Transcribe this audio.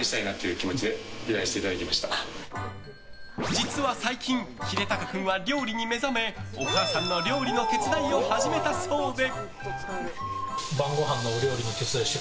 実は最近秀鷹君は料理に目覚めお母さんの料理の手伝いを始めたそうで。